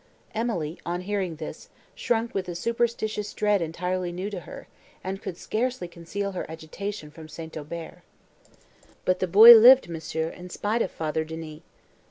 Emily, on hearing this, shrunk with a superstitious dread entirely new to her, and could scarcely conceal her agitation from St. Aubert. "But the boy lived, monsieur, in spite of Father Denis."